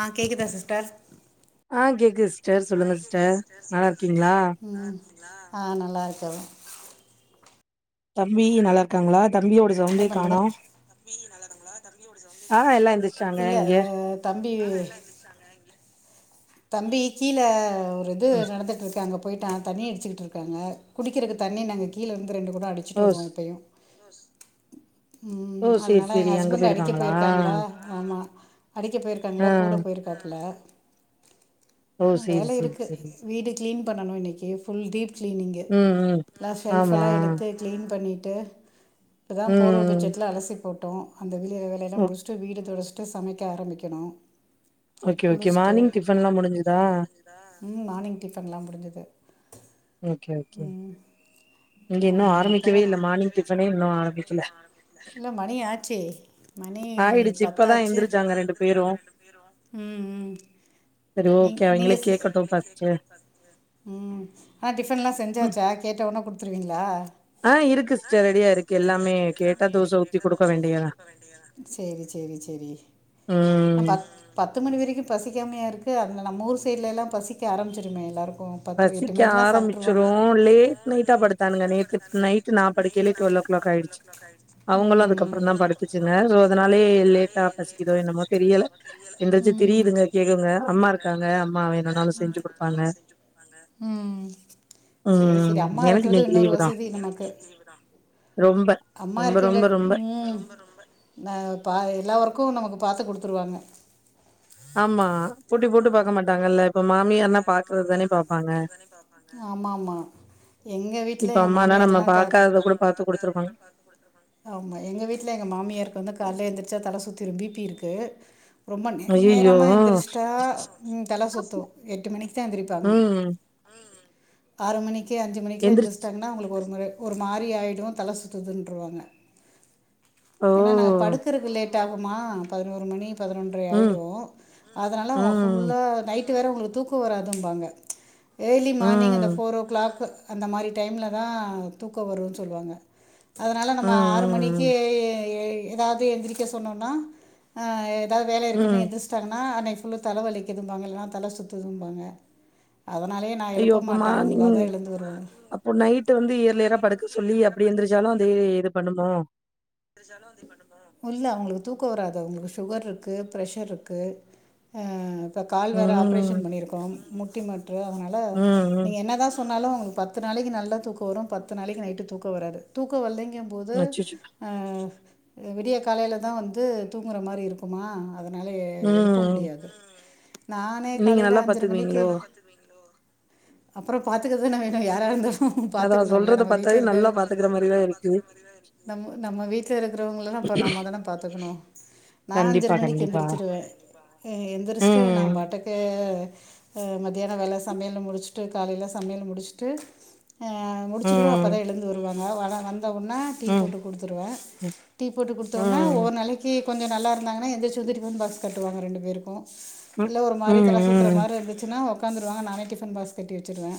ஆ கேக்குதா சிஸ்டர் ஆ கேக்குது சிஸ்டர் சொல்லுங்க சிஸ்டர் நல்லா இருக்கீங்ளா ம் ஆ நல்லா இருக்கன் தம்பி நல்லா இருக்காங்ளா தம்பியோட என்ன சவுண்டே பண்றீங்க காணோ ஆ எல்லா எந்திரிச்சாங்க இல்ல இங்க அ தம்பி தம்பி கீழ ஒரு இது ம் நடந்திட்டு இருக்கு அங்க போய்டான் தண்ணி அடிச்சிட்டுருக்காங்க குடிக்கிறக்கு தண்ணி நாங்க கீழிருந்து ரெண்டு குடோ அடிச்சுட்டு ஓ வருவோ ஸ் எப்பயு ஓ ம் சேரி அதனால எங்க சேரி அங்க ஹஸ்பண்ட் அடிக்க போயிருக்காங்களா போயிருக்காங்ளா ஆமா அடிக்க போயிருக்காங்ளா ஆ கூட போயிருக்காப்ல ஓ சேரி வேல சேரி இருக்கு சேரி வீடு கிளீன் பண்ணணு இன்னைக்கு ஃபுல் டீப் க்ளீனிங்கு ம் ம் நா ஷெல்ஃப் ஆமா எல்லா எடுத்து க்ளீன் பண்ணிட்டு இப்போ தா போர்வ ம் பெட்ஜீட் எல்லா அலசி போட்டோ அந்த வெளிய வேலையெல்லா ஓக் முடிச் சிட்டு வீடு தோடச்சுட்டு சமைக்க ஆரம்பிக்கணு okay okay morning tip morning டிப்பன்லா முடிஞ்சதா ம் மார்னிங் டிப்பன்லா முடிஞ்சது ஓக்கே ஓக்கே ஆ அப்பறோ இல்ல மார்னிங் ஆரமிக்கவே இல்ல டிஃபனே இன்னு மார்னிங் டிபன்னே ஆரம்பிக்கல இன்னும் ஆரமிக்கல இல்ல மணி ஆச்சே மணி ஆயிடுச்சு இப்பதா பத்தாச்சு எந்திரிச்சாங்க ரெண்டு பேரும் ம் ம் சரி நீங் ஓக்கே நீங்க அவங்களே ஸ் கேக்கட்டும் ஃபர்ஸ்ட்டு ம் அ டிஃபன் எல்லா செஞ்சாச்சா கேட்ட உட்னே குடுத்துருவீங்ளா ஆ இருக்கு சிஸ்டர் ரெடியா இருக்கு எல்லாமே கேட்டா தோச ஊத்தி குடுக்க வேண்டியதா சேரி சேரி சேரி அ ம் பத் பத்து மணி வரைக்கும் பசிக்காமயா இருக்கு அதுங்க நம்ம ஊர் சைட்ல எல்லா பசிக்க ஆரம்பிச்சிருமே எல்லோர்க்கும் பசிக்க ஆரம்பிச்சிரும் லேட் நைட்டா படுத்தானுங்க நேத்து நைட் நா படுக்கயிலே டுவல் ஓ கிளாக் ஆயிடுச்சு அவங்களும் ம் அதுக்கப்றோ தா படுத்துச்சுங்க சோ அதனாலயே லேட்டா பசிக்குதோ என்னமோ தெரியல எந்திரிச்சு ம் திரியுதுங்க கேக்குங்க அம்மா இருக்காங்க அம்மா வேணுனாலு செஞ்சு குடுப்பாங்க பாங்க ம் சேரி ம் சேரி அம்மா எனக்கு இருக்கறதும் இன்னைக்கு இன்னொரு லீவு தா வசதி நமக்கு லீவு தா ரொம்ப அம்மா ரொம்ப ரொம்ப இருக்கங்காட் ரொம்ப ம் ரொம்ப ரொம்ப ந பா எல்லா ஒர்க்கும் நமக்கு பாத்து குடுத்துருவாங்க ஆமா போட்டி போட்டு பாக்க மாட் இருப்பாங்கல்ல இப்ப மாமியான்னா பாக்குறதுதான பாப்பாங்க ஆமா ஆமா எங்க வீட் இப்ப அம்மால்லா நம்ம பாக்காதத கூட பாத்து குடுத்துருவாங்க ஆமா எங்க வீட்ல எங்க மாமியாருக்கு வந்து கால்ல எந்திரிச்சா தல சுத்திரும் பி ப்பி இருக்கு ரொம்ப நே நேரமா ஐயையோ எந்திரிஷ்ட்டா ம் தல சுத்தும் எட்டு மணிக்கு தா எந்திரிப்பாங்க ம். ம் ஆறு மணிக்கு அஞ்சு மணிக்குலா எந்திரிச்சு எந்திரிச்சுட்டாங்கன்னா அவங்களுக்கு ஒரு முற ஒரு மாறி ஆயிடும் தல சுத்துதுன்ருவாங்க ஓ! ஏன்னா நாங்க படுக்கறது லேட் டாகுமா பதினோரு மணி பதினொன்ரை ஆயிடும் ம் அதனால ம், அவங்க ம், ஃபுல்லா நைட்டு வேற அவங்களுக்கு தூக்கம் வராதும்பாங்க ஏர்லி ம், மார்னிங் அந்த ம், ஃபோர் ஓ கிளாக் அந்த மாறி டைம்ல தா தூக்கோ வருன்னு சொல்லுவாங்க அதனால நம்ம ஆறு மணிக் கே ம், ஏதாவது எந்திரிக்க சொன்னோன்னா அ ஏதாவது வேல இருக்குன்னு ம். எந்திரிச் தன்னா அன்னைக்கு ஃபுல்லும் தல வலிக்குதும்பாங்க இல்லன்னா தல சுத்துதும்பாங்க அதனாலயே நா ஐயோ! எழுப்ப அப்ப மாட்ட மார்னிங் அவங்களாதா எழுந்து வருவாங் அப்போ நைட் வந்து இயர்லியரா படுக்க சொல்லி அப்படி எந்திரச்சாலு அந்த இது பண்ணணும் எந்திருச்சாலு வந்து படுக் உள்ள அவங்களுக்கு தூக்கம் வராது அவங்களுக்கு சுகர் இருக்கு ப்ரெஷர் இருக்கு அ இப்ப கால் வேற ம், ஆப்ரேஷன் பண்ணியிருக்கோ முட்டி மாற்று அதனால ம், ம். நீங்க என்னாதா பண்ணாலு பத்து நாளைக்கு நல்லா தூக்கம் வரும் பத்து நாளைக்கு நைட்டு தூக்கம் வராது தூக்கம் வல்லைங்கும் போது அச்சச்சோ! அ விடிய காலைல தா வந்து தூங்கற மாறி இருக்குமா அதனால எழுப்ப ம். முடியாது ம் நானே நீங்க காலைல நல்லா அஞ்சரை மணிக்கு பாத்துக்குவீங்களோ? நல்லா படுத்து அப்புறோ பாத்துக்கறது தானே வேணும் யாரா இருந்தாலு அதான் பாத்துக்கணுல்ல சொல்றத நம்ம பாத்தாவே வீட்ல இருக்க நல்லா முகத்த பாத்துக்கிற பாத்தாலே மாரி நல்லா தான் இருக்கு. பாத்துக்கிற மாறி தா இருக்கு நம்ம நம்ம வீட்ல இருக்கிறவங்கள அப்ப நம்ம தானே பாத்துக்கணு நா அஞ்சுற கண்டிப்பா, மணிக்கு கண்டிப்பா. எந்துருச்சுருவ எ எழுந்துருச்சுட்டு நாம் ம், பாட்டுக்கு அ மத்தியானோ வேல சமையல முடுச்சுட்டு காலைல சமையலு முடுச்சுட்டு அ முடுச்சுருவ ம், அப்போதா எழுந்து வருவாங்க வாடா வந்தவொன்ன டீ ம், போட்டுக் குடுத்துருவ ம், டீ போட்டு குடுத்த ஒன்ன ஓன ம், ஒரு நாளைக்கி கொஞ்சோ நல்லா இருந்தாங்கன்னா எந்துருச்சு வந்து டிஃபன் பாக்ஸ் கட்டுவாங்க ரெண்டு பேருக்கு ம், இல்ல ஒரு மாரி தல சுத்துர ம், மார இருந்துச்சுன்னா உக்காந்துருவாங்க நானே டிஃபன் பாக்ஸ் கட்டி வெச்சுருவ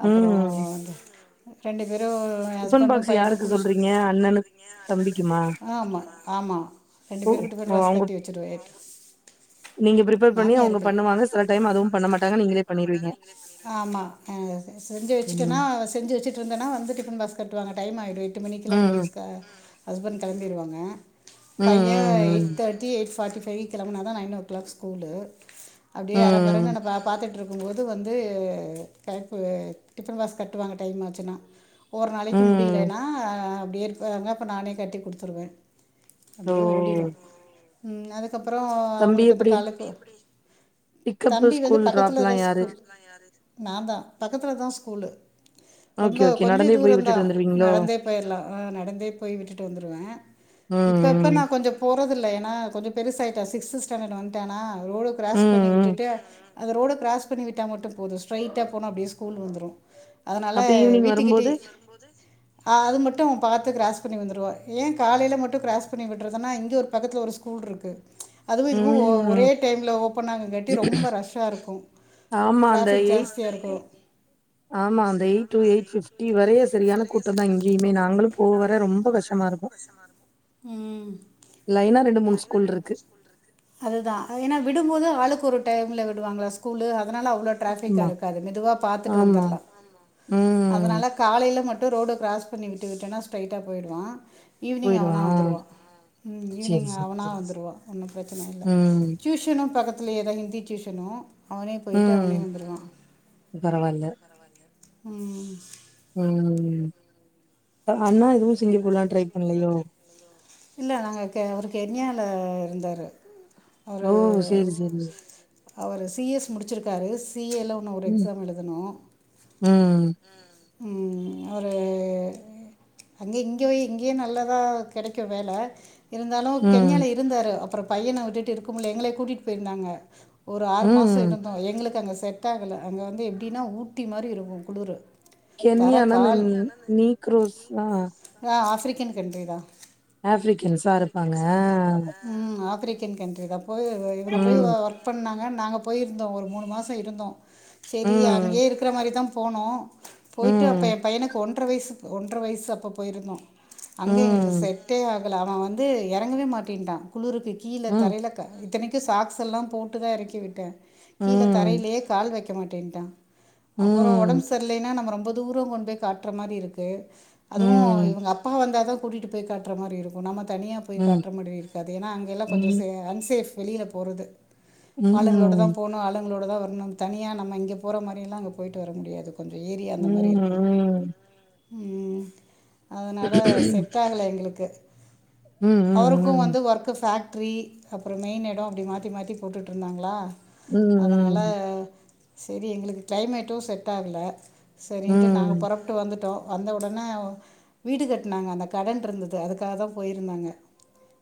ம், அப்புறோ ம். ரெண்டு பேரு எ டிஃபன் ஹஸ்பண்டும் பாக்ஸ் பையனு யாருக்கு குளுச் சொல்றீங்க? அண்ணனுக்கு தம்பிக்குமா? ஆமா ஆமா ரெண்டு ஓ பேருக்கு டிஃபன் ஓ பாக்ஸ் அவுங்க கட்டி வெச்சுருவே ஸ் ஸ் த் நீங்க பிரிப்பேர் பண்ணி அவுங்க பண்ணுவாங்க சில டைம் அதுவும் பண்ண மாட்டாங்க நீங்களே பண்ணிருவீங்க ஆமா அ செஞ்சு வெச்சுட்டோன்னா ம். செஞ்சு வெச்சுட் ட்ருந்தனா வந்து டிஃபன் பாக்ஸ் கட்டுவாங்க டைம் ஆயிடு எட்டு மணிக்கெல்லா எங்க ம், ஹிஸ்கா ஹஸ்பண்ட் கெம்பிடுவாங்க ம், பைய எயிட் ம், தோட்டி எயிட் ஃபாட்டி ஃபைவ் கெளம்புனா தா நைன் ஓ கிளாக் ஸ்கூலு ம், அப்டியே ம், அரபரன்னனபாப் பாத்துட்ருக்கும் போது வந்து கைப்பு டிஃபன் பாக்ஸ் கட்டுவாங்க டைம் ஆச்சுன்னா ஒர் நாளைக்கு ம். முடியலைன்னா அ அப்டியே இருப்பாங்க அப்புறோ நானே கட்டி குடுத்துருவ ஓ! அப்டியே ஓடிரு ம் அதுக் அப்பறோ தம்பி அவங்களுக்கு இந்த எப்டி? காலுக்கு எப்புடி பிக்கப்பு, தம்பி வந்து ஸ்கூல் பக்கத்துல ட்ராப்லாம் எதாவது யாரு? ஸ்கூல் நாந்தா பக்கத்துல தா ஸ்கூலு ஓகே, ரொம்ப ஓகே. கொஞ்ச நடந்தே போய் தூரந்தா விட்டுட்டு வந்துருவீங்களோ? நடந்தே போயர்லா அ நடந்தே போய் விட்டுட்டு வந்துருவ ம், இப்ப இப்ப நா ம், கொஞ்சோப் போறதில்ல ஏனா கொஞ்சோ பெருசாயிட்டா சிக்ஸ்த்து ஸ்டேண்டடு வன்ட்டானா ரோடு ம், கிராஸ் பண்ணி ம். விட்டுட்டு அத ரோட கிராஸ் பண்ணி விட்டா மட்டு போது ஸ்ட்ரைட்டா போனா அப்டியே ஸ்கூல் வந்துரு அதனால அப்ப ஈவ்னிங் வீட்டுக்கிட்டி வரும்போது? ஆ அது மட்டு பாத்து கிராஸ் பண்ணி வந்துருவா ஏ காலைல மட்டு கிராஸ் பண்ணி விடுறதுன்னா இங்க ஒர் பக்கத்துல ஒரு ஸ்கூல் இருக்கு அதுவு இதுவு ஒ ஒரே ம். டைம்ல ஓப் ஓப்பனாகுறங்காட்டி ரொம்ப ரஷ்ஷா இருக்கு ஆமா அந்த ட்ரேஃபிக் ஜாஸ்தியா இருக்கு ஆமா அந்த eight to eight fifty வரைய செரியான கூட்டந்தா இங்கியுமே நாங்களு போவ வர ரொம்ப கஷ்டமா இருக்கு ம் லைன்னா ரெண்டு மூண் ஸ்கூல் இருக்கு அதுதா ஏன்னா விடும்போது ஆளுக்கு ஒரு டைம்ல விடுவாங்களா ஸ்கூலு அதனால அவ்ளோ டிரேஃபிகா ஆமா, இருக்காது மெதுவா பாத்துட்டு ஆமா. வந்துர்லா ம். அதனால காலைல மட்டு ரோட கிராஸ் பண்ணி விட்டு விட்டனா ஸ்ட்ரைட்டா போயிடுவா ஈவினிங் அவன் ஆ போயிடுவா வந்துருவா ம் சேரி ஈவினிங் சேரி அவனா சேரி வந்துருவா ஒன்னு பிரச்சன இல்ல ம் டியூஷனு பக்கத்து லே ஹிந்தி டியூஷனு அவனே போய்ட்டு அவனே ம் வந்துருவா பரவால்ல ம் ம் அண்ணா எதுவு சிங்கப்பூர்லா ட்ரை பண்லையோ இல்ல நாங்க க அவர் கென்யால இருந்தாரு ஓ சேர் சேரி அவரு சீ எஸ் முடுச்சுருக்காரு சீ எல்லோன்னு ஒரு ம் எக்ஸாம் எழுதனு ம் ம் அவரு அங்க இங்கவை இங்கியே நல்லதா கெடைக்கு வேல இருந்தாலு ம் கென்யால இருந்தாரு அப்புறோ பையன உட்டுட்டு இருக்க முடில எங்களய கூட்டிட் போயிருந்தாங்க ஒரு ஆறு மாசோ ம் இருந்தோ எங்களுக்கு அங்க செட் ஆகல அங்க வந்து எப்டின்னா ஊட்டி மாரி இருக்கு குளுரு கென்யானா இந்தன் நீக்குரோஸ் லா ஆ ஆஃப்பிரிக்கன் கண்ட்ரி தா ஆஃப்ரிக்கன்ஸாருப்பாங்க ம் ஆஃப்ரிக்கன் கண்ட்ரி தா போய் இவுங்க போய் ம் ஒர்க் பண்ணாங்க நாங்க போய்ருந்தோ ஒரு மூணு மாசோ இருந்தோ சேரி ம் அங்கேயே இருக்கிற மாரி தா போனோ போய்ட்டு அப்ப ஏ ம் பையனுக்கு ஒன்ற வயசு ஒன்ற வயசு அப்ப போய்ருந்தோ அங்கே எங்களுக்கு ம் செட்டே ஆகல அவெ வந்து இறங்கவே மாட்டேன்டா குளிருக்கு கீழ ம் தரைல இத்தனைக்கு சாக்ஸ் எல்லா போட்டு தா இறக்கி விட்டே கீழ ம் தரைலே கால் வைக்க மாட்டேன்டா ம் அப்பறோ ஒடம்பு ம் செரியலைன்னா நம்ம ரொம்ப தூரோ கொண்டு போய் காட்டுற மாரிருக்கு அதுவு ம் இவுங்க அப் பா வந்தா தா கூட்டிட்டு போய் காட்டுற மாரிருக்கு நம்ம தனியா போய் ம் காட்ற மாரிருக்காது ஏன்னா அங்கல்லா கொஞ்சோ ம் சே அன்சேப் வெளில போறது ம் ஆளுங்களோட தா ம் போனு ஆளுங்களோட தா வரணு தனியா நம்ம இங்க போற மாரியெல்லா அங்க போய்ட்டு வர முடியாது கொஞ்சோ ஏரியா மாரி ம் இருக்கு ம் அதனால செட் ஆகல எங்களுக்கு ம் அவருக்கு ம் வந்து ஒர்க்கு ஃபேக்ட்ரி அப்றோ மெயின் எடோ அப்டி மாத்தி மாத்தி போட்டுட்டுருந்தாங்களா ம் அதனால ம் செரி எங்களுக்கு கிளைமேட்டு செட் ஆகல செரின்ட்டு நாங்க ம். பொறப்ட்டு வந்துட்டோ வந்த ஒடனே வீடு கட்னாங்க அந்த கடன் இருந்துது அதுக்காக தா போய்ருந்தாங்க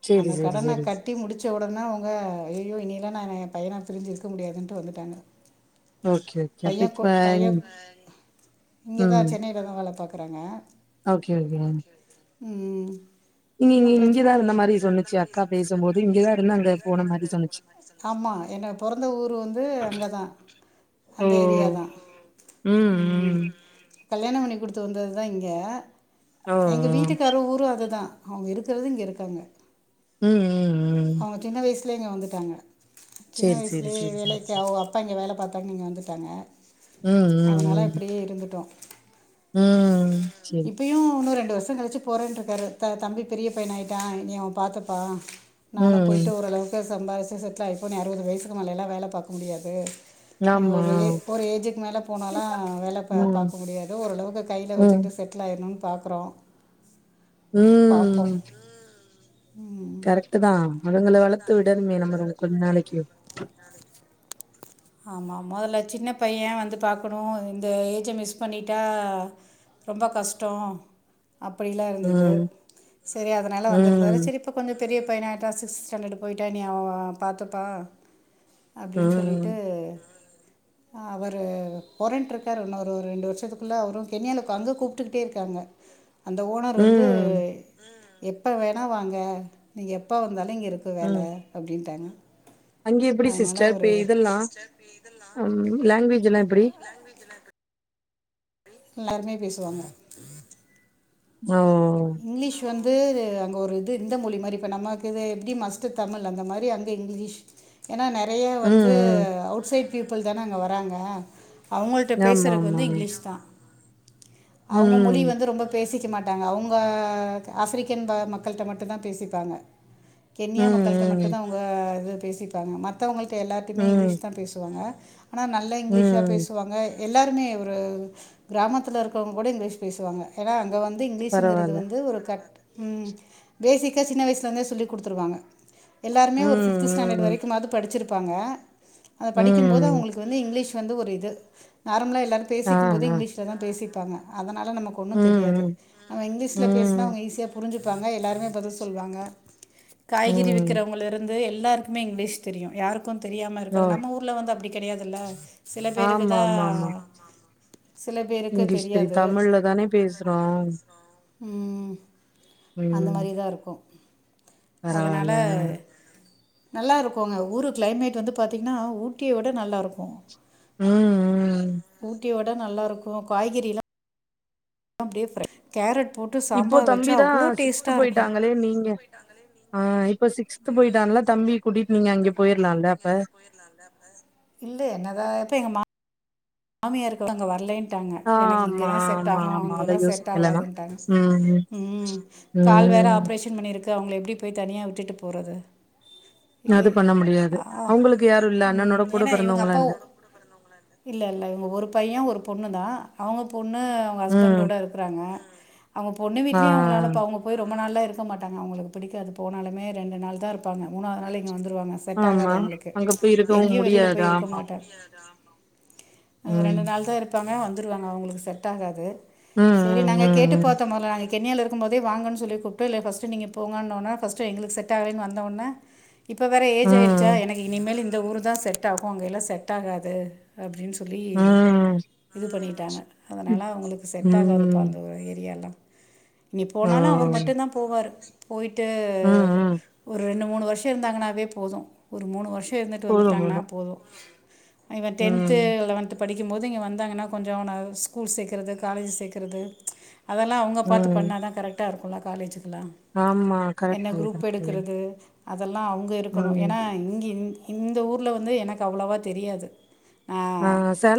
சரி, அந்த சரி, கடன சரி. [inaudible] டி முடிச்ச ஒடனே அவ்ங்க ஐயோ இனியெல்லா நா ஏ பையனா பிரிஞ்சு இருக்க முடியாதுன்டு வந்துட்டாங்க ஓகே, ஓகே. அப்ப பையெ கொ இப்ப பையெ இங்கதா ம். சென்னைலதா வேல பாக்குறாங்க ஓகே, ஓகே. ம் நீங்க இங்க ஒன்னும் பிரச்சனை இல்ல இங்கதாருந்த மாரி சொன்னுச்சு அக்கா பேசும்போது இங்கதாருந்து அங்க போன மாரி சொல்லுச்சு ஆமா எங்க பொறந்த ஊரு வந்து அங்கதா ஓ! அந்த ஏரியா தா ம் ம் கல்யாணம் பண்ணி குடுத்து வந்தது தா இங்க ஓ! ஓ! எங்க வீட்டுக்காரர் ஊரு அது தா அவுங்க இருக்கிறது இங்க இருக்காங்க ம் ம், ம். அவுங்க சின்ன வயசுலே இங்க வந்துட்டாங்க சின்ன சரி, சரி, வயசுலே சரி, சரி. வேலைக்காவ அப்பா இங்க வேல பாத்தாங்க இங்க வந்துட்டாங்க ம், அதனால ம், இப்டியே இருந்துட்டோ ம் செரி இப்பயு இன்னு ரெண்டு வருஷோ கழிச்சு போறேன்ருக்காரு த தம்பி பெரிய பையனாயிட்டா இனி அவ பாத்துப்பா நானு போயிட்டு ம். ஓரளவுக்கு சம்பாரிச்சு செட்லாயி இப்போ நீ அறுவது வயசுக்கு மேலயெல்லா வேல பாக்க முடியாது ஆ ஆமா. ஒரு ஏ ஒரு ஏஜுக்கு மேல போனால்லா வேல பா ம், பாக்க முடியாது ஓரளவுக்கு கையில ம், வச்சுக்கிட்டு செட்லாயிரணுன்னு பாக்கறோ பாப்போ ம். ம் கரெக்ட்டுதா அவங்கள வளத்து விடணுமே நம்மளு கொஞ்ச நாளைக்கி ஆமா மொதல்ல சின்னப் பைய வந்து பாக்கணு இந்த ஏஜ மிஸ் பண்ணிட்டா ரொம்ப கஷ்டோ அப்டிலா இருந்தது ம், செரி அதனால வந்திருந்தாரு ம், செரி இப்ப கொஞ்சோ பெரிய பையனாய்ட்டா சிக்ஸ்த் ஸ்டாண்டர்ட் போய்ட்டா இனி அவ பாத்துப்பா அப்டின்னு சொல்லிட் ம், உ அவரு பொறேன்ருக்காரு இன்னொரு ஒரு ரெண்டு வருஷத்துக்குள்ள அவரு கெனியால அங்க கூப்பிட்டுக்கிட்டேருக்காங்க அந்த ஓனர் வந்து ம், எப்போ வேணா வாங்க நீங்க எப்ப வந்தாலு இங்க இருக் வேல அப்டின்ட்டாங்க அங்கே எப்டி சிஸ்டர் இப்ப இதெல்லா ம் லாங்வேஜ் எல்லா எப்டி எல்லாருமே பேசுவாங்க ஓ இங்லீஷ் வந்து அங்க ஒரு இது இந்த மொழி மாரி இப்போ நமக்கு இது எப்டி மஸ்ட் தமிழ் அந்த மாரி அங்கே ங்க இங்லீஷ் ஏன்னா நெறைய வந்து ம் அவுட் சைட் பீப்புள் தான அங்க வராங்க அவுங்கள்ட்ட ம் ஆமா பேசுறக்கு ஆமா வந்து இங்லீஷ்தா அவுங்க மொழி ம் வந்து ரொம்ப பேசிக்க மாட்டாங்க அவுங் ப்பா க ஆஃபிரிக்கன் ப மக்கள்ட்ட மட்டும்தா பேசிப்பாங்க ம் கென்யா மக்கள்ட்ட ம ம் ட்டுந்தா அவுங்க இது பேசிப்பாங்க மத்தவங்கள்ட்ட எல்லார்ட்டயுமே ம் இங்லீஷ்தா பேசுவாங்க ஆனா நல் லா இங்லீஷா ம் பேசுவாங்க எல்லாருமே ஒரு கிராமத்துல இருக்றவங்க கூட இங்லீஷ் பேசுவாங்க ஏன்னா அங்க வந்து இங்லீ ஸுங்றது பரவால்ல வந்து ஒரு கட் ம் பேசிக்கா சின்ன வயசுல இருந்தே சொல்லிக் குடுத்துருவாங்க எல்லாருமே ம் ஒரு ஃபிஃப்து ஸ்டேன்டடு ம் வரைக்குமாவது படிச்சிருப்பாங்க அத படிக்கும்போது ம் அவுங்ளுக்கு வந்து இங்லீஷ் வந்து ஒரு இது நார்மலா எல்லாரு ஆ பேசிக்கும்போதே ஆ இங்லீஷ் லதா பேசிப்பாங்க அதனால நமக்கு ஒன்னுந் ம் தெரியாது ம் நம்ம இங்லீஷ்ல பேஸ்னா ம் அவுங்க ஈஸியா பு ரிஞ்சுப்பாங்க எல்லாருமே பதில் சொல்வாங்க காய்கறி ம் விக்கிறவுங்கள்ல இருந்து எல்லாருக் குமே இங்லீஷ் தெரியு யாருக்கு தெரியாம ஓ இருக்காது நம்ம ஊர்ல வந்து அப்டி கெடையாதுல்ல சில ஆமா பேருக்குதா ஆமா ஆமா சில பேருக்கு தெரியாது இப்பதானே பேஸ்றோ ம் அந்த ம் மாரிதா இருக்கு அதனால பரவால்ல நல்லா இருக்குங்க ஊரு க்ளைமேட் வந்து பாத்தீங்ன்னா ஊட்டிய விட நல்லா இருக்கு ம் ம் ஊட்டிய விட நல்லா இருக்கு காய்கறில்லா அப்டியே ஃப்ரெஷ் கேரட் போட்டு இப்போ சாம்பார் வச்சா தம்பிதா அவ்வளோ சிக்ஸ்த்து டேஸ்ட்டாக இருக்கும் போயிட்டாங்களே நீங்க ஆ இப்ப சிக்ஸ்த்து போயிட்டான்ல தம்பிய கூட்டிட்டு நீங்க அங்க போயர்லால்ல அப்ப இல்ல என்னதா இப்ப எங்க மா மாமியாருக்கு அங்க வர்லேன் ட்டாங்க எனக்கு ஆமா இங்கதா செட் ஆமா ஆகு ஆமா அங்க அத எல்லா செட் யோசிக்கல நா ஆகாதுன்ட்டாங்க ம் ம் கால் வேற ம் ஆப்ரேஷன் பண்ணிருக்கு அவுங்கள எப்டி போய் தனியா விட்டுட்டு போறது அது பண்ண முடியாது அவுங்களுக்கு யாரு இல்ல அண்ணணோட ம் கூட பிறந்தவங்கல்லா இல்ல இல்ல இல்ல இவுங்க ஒரு பைய ஒரு பொண்ணுதா அவுங்க பொண்ணு அவுங்க ம் ஹஸ்பண்டோட இருக்குறாங்க அவுங்க பொண்ணு ஆ வீட்லயு அவுங்களால இப்ப அவுங்க போய் ரொம்ப நாள்லா இருக்க மாட்டங்க அவுங்ளுக்கு பிடிக்காது போனாலுமே ரெண்டு நாள் தா இருப்பாங்க மூணாது நாள் இங்க வந்துருவாங்க செட் ஆமா ஆகாது அவுங்ளுக்கு அங்க போய் இருக்கவு எங்யு வெளில முடியாது போய் இருக்க ஆமா மாட்டா ஆ ரெண்டு ம் நாள் தா இருப்பாங்க வந்துருவாங்க அவுங்ளுக்கு செட் ஆகாது ம் சேரி நாங்க கேட்டு ம் பாத்தோனால ஆனைக்கு கென்யால இருக்கும் போதே வாங்கன் சொல்லி கூப்டோ இல்ல ஃபஸ்ட்டு நீங்க போங்கன்னோன்ன ஃபஸ்டு எங்ளுக்கு செட் ஆகலன் வந்த ஒன்ன இப்போ வேற ஏஜ் ஆயிருச்சா ம் எனக்கு இனிமேல் இந்த ஊரு தா செட் ஆகூ அங்கே எல்லா செட் ஆகாது அப்டின் சொ ல்லி ம் இது பண்ணிட்டாங்க ம் அதனால அவுங்ளுக்கு செட் ஆகாதுப்பா ம் அந்த ஒரு ஏரியாலா நீ ஓ போனாலு அவர் மட்டுந்தா போவாரு போய்ட்டு ம் ம் ஒ ரெண்டு மூணு வஷ்ஷோ இருந்தாங்கன்னாவே போதூ ஒரு மூணு வஷ்ஷோ இருந்துட்டு போது வந்துட்டாங்ன்னா போது போதூ இவ டென் ம் அ லெவன்த்து படிக்கும்போது இங்க வந்தாங்கன்னா கொஞ்சோ அவன ஸ்கூல் சேக்கறது காலேஜ் சேக்கறது அதல்லா அவுங்க பாத்து ம் பண்ணாதா கரெக்டா இருக்குல்ல காலேஜிக்கெல்லா ஆமா என்ன கரெக்ட்டு குரூப் கரெக்ட்டு எடுக்கறது அதெல்லா அவுங்க இருக்கணு ம் ஏன்னா இங்க இ இந்த ஊர்ல வந்து எனக்கு அவ்ளோவா தெரியாது ஆ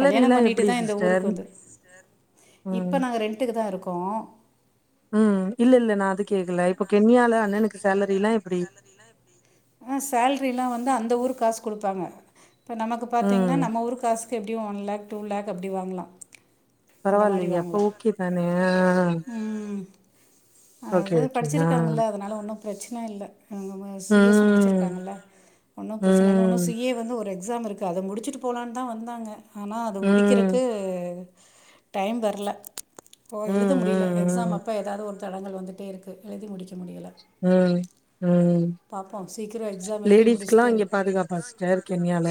கல்யாணோ எப்டி பண்ணிட்டுதா இந்த ஊருக்கு சிஸ்டர் வந்து ம் இப்ப நாங்க ரெண்ட்டுக்குதா இருக்கோ ம் இல்ல இல்ல நா அது கேக்கல இப்ப கென்யால அண்ணனுக்கு சேலரி எல்லா எப்டி ஆ சேல்ரி எல்லா வந்து அந்த ஊரு காசு குடுப்பாங்க இப்ப நமக்கு பாத்தீங்ன்னா ம். நம்ம ஊரு காசு ஸ் எப்டியு ஒன் லேக் டூ லேக் அப்டி வாங்கலா பரவால்லயே அப்ப ஓக்கே தான ஆ ம் ஓகே, அது ஓகே. ஆ. படிச்சிருக்காங்கள அதனால ஒன்னூ ப்ரச்சன இல்ல ஆ ஆ சி எஸ் ம். முடிச்சிருக்காங்கல்ல ஒன்னு ப்ரெச்சன இல்ல இன்னு ம். சி ஏ வந்து ஒரு எக்ஸாம் இருக்கு து அத முடிச்சுட்டு போலான் தா வந்தாங்க ஆனா அத ம். முடிக்கிறக்கு டைம் வர்ல போ ம். எழுத முடியல எக்ஸாம் ம். அப்ப எதாரு ஒர் தடங்கள் வந்துட்டே இருக்கு எழுதி முடிக்க முடியல ம் ம் பாப்போ சீக்கிரோ எக்ஸாம் எழுதி முடிச்சுட்டு சேர் கென்யால